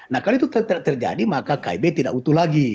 nah kalau itu terjadi maka kib tidak utuh lagi